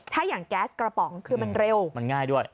ถ้าอย่างแก๊สกระป๋องคือมันเร็วมันง่ายด้วย